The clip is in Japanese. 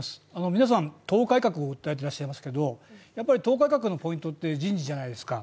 皆さん、党改革を訴えていらっしゃいますが、党改革のポイントは人事じゃないですか。